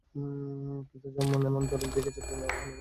কিন্তু এমন ঝলক দেখিয়েও চট্টগ্রাম আবাহনীর একাদশেই তাঁর সুযোগ মেলে কম।